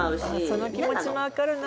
その気持ちも分かるな。